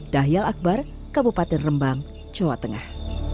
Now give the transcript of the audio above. dahyal akbar kabupaten rembang jawa tengah